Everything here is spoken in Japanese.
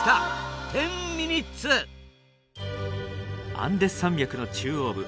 アンデス山脈の中央部。